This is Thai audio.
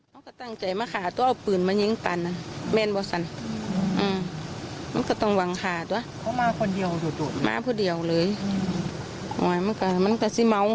มันก็ตั้งใจมาหาตัวเอาปืนไปนิ่งตัน